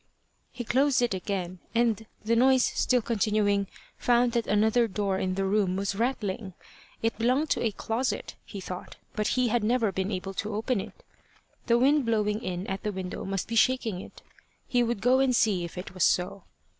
He closed it again, and, the noise still continuing, found that another door in the room was rattling. It belonged to a closet, he thought, but he had never been able to open it. The wind blowing in at the window must be shaking it. He would go and see if it was so.